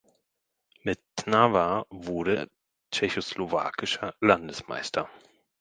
Mit Trnava wurde er tschechoslowakischer Landesmeister.